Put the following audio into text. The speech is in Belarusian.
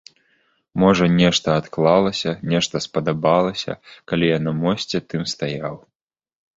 Можа, нешта адклалася, нешта спадабалася, калі я на мосце тым стаяў.